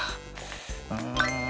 うん。